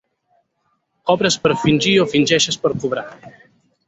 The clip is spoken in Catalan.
Cobres per fingir o fingeixes per cobrar.